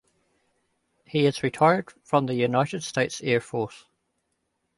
He is retired from the United States Air Force.